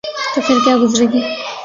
تو پھرکیا گزرے گی؟